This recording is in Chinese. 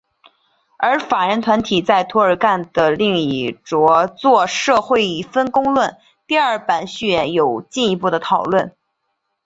而法人团体在涂尔干的另一着作社会分工论第二版序言有进一步的讨论。